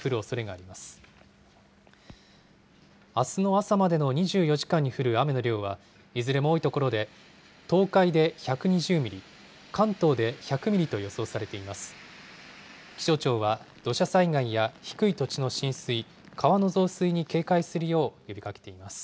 あすの朝までの２４時間に降る雨の量は、いずれも多い所で、東海で１２０ミリ、関東で１００ミリと予想されています。